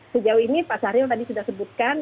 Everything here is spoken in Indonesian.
sejauh ini pak syahril tadi sudah sebutkan